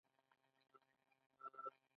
په دې سیند کې اوبه پاکې دي